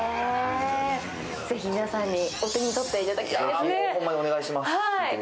ぜひ皆さんにお手にとっていただきたいですね。